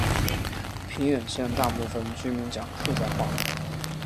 平远县大部分居民讲客家话。